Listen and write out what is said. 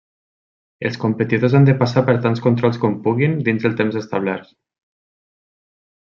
Els competidors han de passar per tants controls com puguin dins dels temps establerts.